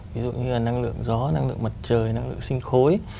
ví dụ như là năng lượng gió năng lượng mặt trời năng lượng sinh khối